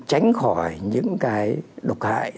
tránh khỏi những cái độc hại